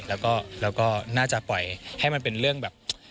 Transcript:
แล้วก็น่าจะปล่อยให้มันเป็นเรื่องแบบ